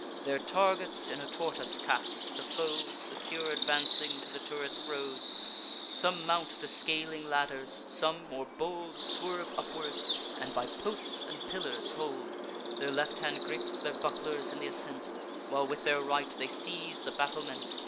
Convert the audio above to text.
Their targets in a tortoise cast, the foes, Secure advancing, to the turrets rose: Some mount the scaling ladders; some, more bold, Swerve upwards, and by posts and pillars hold; Their left hand gripes their bucklers in th' ascent, While with their right they seize the battlement.